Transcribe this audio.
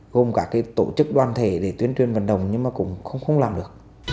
gồm các tổ chức đoàn thể để tuyên truyền vận động nhưng mà cũng không làm được